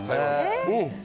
うん。